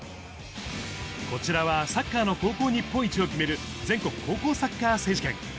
こちらは、サッカーの高校日本一を決める、全国高校サッカー選手権。